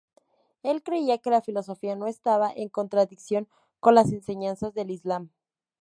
Él creía que la filosofía no estaba en contradicción con las enseñanzas del Islam.